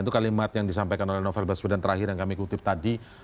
itu kalimat yang disampaikan oleh novel baswedan terakhir yang kami kutip tadi